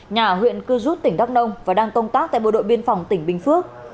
nhà ở huyện cư rút tỉnh đắk nông và đang công tác tại bộ đội biên phòng tỉnh bình phước